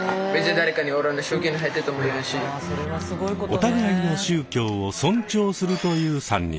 お互いの宗教を尊重するという３人。